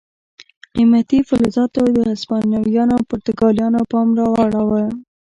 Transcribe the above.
قیمتي فلزاتو د هسپانویانو او پرتګالیانو پام را اړاوه.